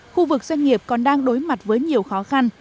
khu vực doanh nghiệp còn đang đối mặt với nhiều khó khăn